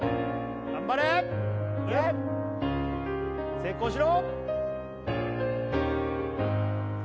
成功しろ！